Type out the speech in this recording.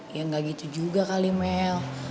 ya nggak gitu juga kali mel